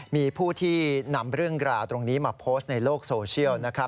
มีผู้ที่นำเรื่องราวตรงนี้มาโพสต์ในโลกโซเชียล